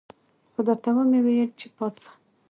خو درته ومې ویل چې پاڅه.